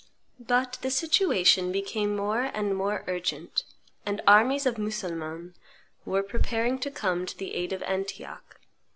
But the situation became more and more urgent; and armies of Mussulmans were preparing to come to the aid of Antioch.